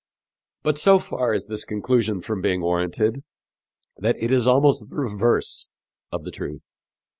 But so far is this conclusion from being warranted that it is almost the reverse of the truth.